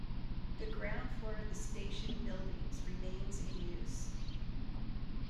The ground floor of the station buildings remains in use.